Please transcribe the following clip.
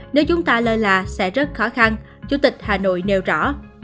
nếu chúng ta lơ là sẽ rất khó khăn chủ tịch hà nội nêu rõ